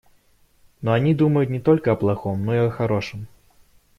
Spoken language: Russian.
Но они думают не только о плохом, но и о хорошем.